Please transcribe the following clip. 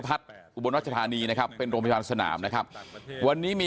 เป็นอุบัติรัชธานีเป็นการโรงพยาบาลสนาม